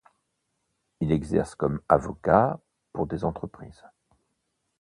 Il exerce comme avocat pour des entreprises.